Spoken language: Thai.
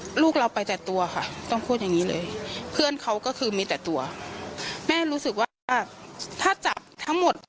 ลูกเราไปแต่ตัวค่ะต้องพูดอย่างงี้เลยเพื่อนเขาก็คือมีแต่ตัวแม่รู้สึกว่าถ้าจับทั้งหมด